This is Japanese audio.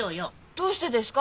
どうしてですか？